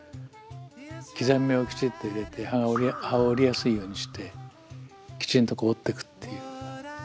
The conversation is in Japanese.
刻み目をきちっと入れて葉を折りやすいようにしてきちんと折っていくっていう。